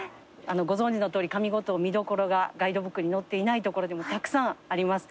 ご存じのとおり上五島見どころがガイドブックに載っていない所でもたくさんあります。